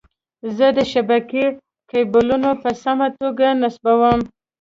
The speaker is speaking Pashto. زه د شبکې کیبلونه په سمه توګه نصبووم.